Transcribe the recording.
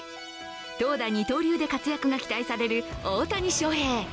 投打二刀流で活躍が期待される大谷翔平。